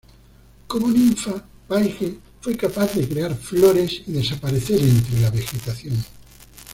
Como ninfa, Paige fue capaz de crear flores y desaparecer entre la vegetación.